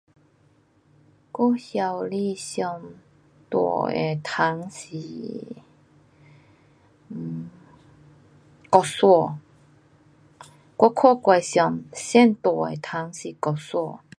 我家里最大的虫是，um 蟑螂。我看过最大的虫是蟑螂。